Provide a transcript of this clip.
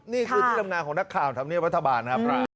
นี่คือดราม่าของนักคลาวทำเงียบพัฒนาบาลนะครับ